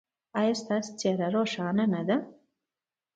ایا ستاسو څیره روښانه نه ده؟